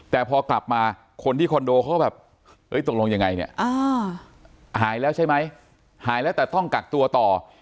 แต่พอกลับมาคนที่คอนโดเขาก็แบบตกลงยังไงเนี่ยหายแล้วใช่ไหมหายแล้วแต่ต้องกักตัวต่อ